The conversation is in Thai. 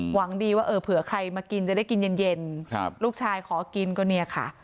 หวังดีว่าเออเผื่อใครมากินจะได้กินเย็นลูกชายขอกินก็เนี่ยค่ะ